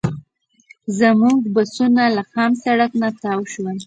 زموږ بسونه له خام سړک نه تاو شول.